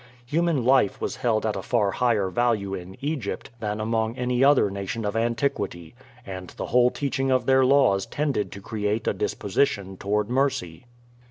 Human life was held at a far higher value in Egypt than among any other nation of antiquity, and the whole teaching of their laws tended to create a disposition toward mercy.